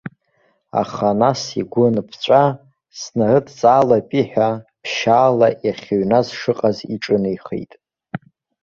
Аха нас, игәы аныԥҵәа, снарыдҵаалапи ҳәа, ԥшьаала иахьыҩназ шыҟаз иҿынеихеит.